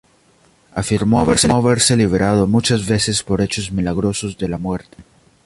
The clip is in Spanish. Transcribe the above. Afirmó haberse librado muchas veces por hechos milagrosos de la muerte.